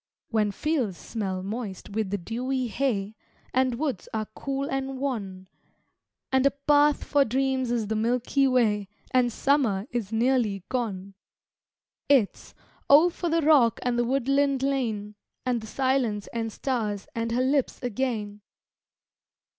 When fields smell moist with the dewy hay, And woods are cool and wan, And a path for dreams is the Milky way, And summer is nearly gone It's Oh, for the rock and the woodland lane And the silence and stars and her lips again!